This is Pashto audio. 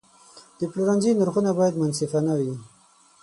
د پلورنځي نرخونه باید منصفانه وي.